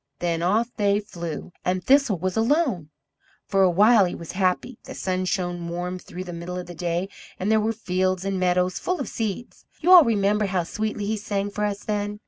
Then off they flew, and Thistle was alone. For a while he was happy. The sun shone warm through the middle of the day, and there were fields and meadows full of seeds. You all remember how sweetly he sang for us then.